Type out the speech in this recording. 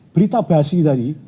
berita basi tadi